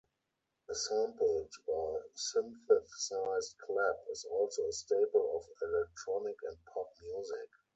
A sampled or synthesized clap is also a staple of electronic and pop music.